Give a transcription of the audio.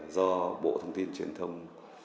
do bộ thông tin truyền thông